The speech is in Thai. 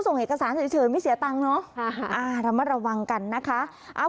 ก็ส่งเอกสารเฉยเฉยไม่เสียตังค์เนอะอ่าเรามาระวังกันนะคะอ่า